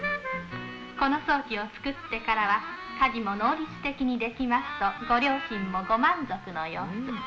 この装置を作ってからは、家事も能率的にできますと、ご両親もご満足の様子。